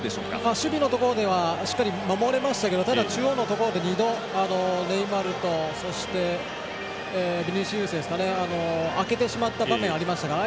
守備のところではしっかり守れましたけど中央のところでは２度、ネイマールとそして、ビニシウスにあけてしまった場面があったのであ